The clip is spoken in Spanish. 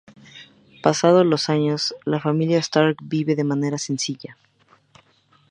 Pasados los años, la familia Stark vive de manera sencilla.